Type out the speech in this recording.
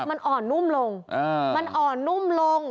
มันอ่อนนุ่มลงมันอ่อนนุ่มลง